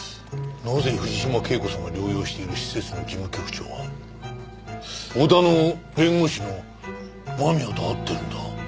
なぜ藤島圭子さんが療養している施設の事務局長が小田の弁護士の間宮と会ってるんだ？